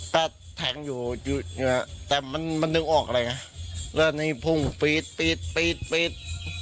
ก็แทงอยู่แต่มันดึงออกเลยแล้วนี้พุ่งปี๊ด